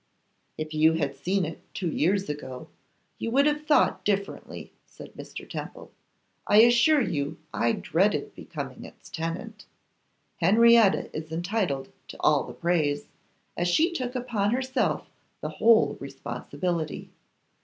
'If you had seen it two years ago you would have thought differently,' said Mr. Temple; 'I assure you I dreaded becoming its tenant. Henrietta is entitled to all the praise, as she took upon herself the whole responsibility.